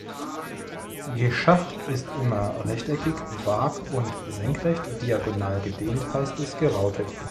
Geschacht ist immer rechteckig waag- und senkrecht, diagonal gedehnt heißt es "gerautet".